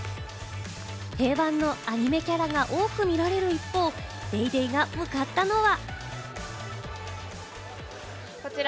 定番のアニメキャラが多く見られる一方、『ＤａｙＤａｙ．』が向かったのは。